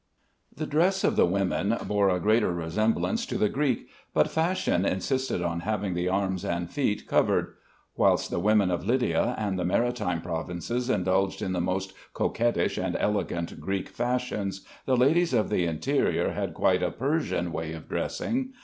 The dress of the women bore a greater resemblance to the Greek; but fashion insisted on having the arms and feet covered. Whilst the women of Lydia and the maritime provinces indulged in the most coquettish and elegant Greek fashions, the ladies of the interior had quite a Persian way of dressing.